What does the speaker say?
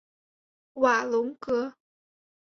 瓦龙格。